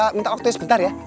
minta waktunya sebentar ya